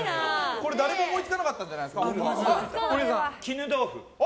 これ誰も思いつかなかったんじゃゴリエさん。